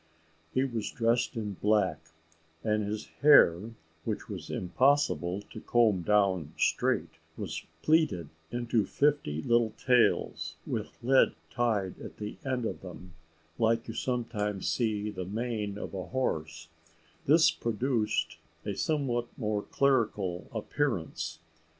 He was dressed in black, and his hair, which it was impossible to comb down straight, was plaited into fifty little tails, with lead tied at the end of them, like you sometimes see the mane of a horse: this produced a somewhat more clerical appearance.